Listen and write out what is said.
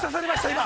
今。